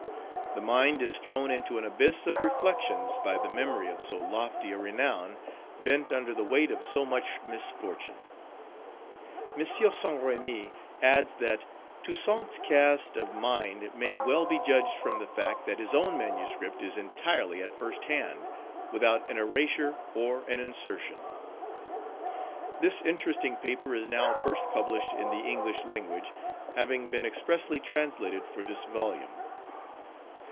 The mind is thrown into an abyss of reflections by the memory of so lofty a renown bent under the weight of so much misfortune." M. Saint Remy adds, that "Toussaint's cast of mind may well be judged from the fact that his own manuscript is entirely at first hand, without an erasure or an insertion." This interesting paper is now first published in the English language, having been expressly translated for this volume.